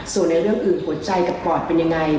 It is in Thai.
ส่วนในเรื่องอื่นหัวใจกับปอดเป็นยังไง